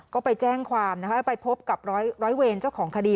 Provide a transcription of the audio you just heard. ก็ไปแจ้งความนะคะไปพบกับร้อยเวรเจ้าของคดี